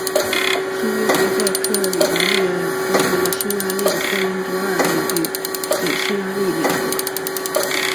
协约国在特里亚农条约剥夺了匈牙利的三分之二领土给匈牙利的邻国。